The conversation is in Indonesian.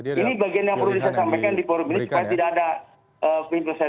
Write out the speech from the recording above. ini bagian yang perlu disampaikan di forum ini